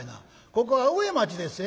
ここは上町でっせ」。